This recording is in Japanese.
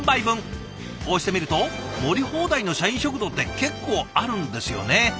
こうして見ると盛り放題の社員食堂って結構あるんですよね。